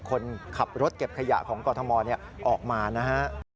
คนขับรถเก็บขยะของกรทมออกมานะฮะ